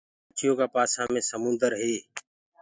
ڪرآچيو ڪآ پآسآ مي سمونٚدر هي